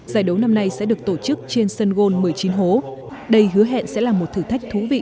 giải đấu năm nay sẽ được tổ chức trên sân gôn một mươi chín hố đây hứa hẹn sẽ là một thử thách thú vị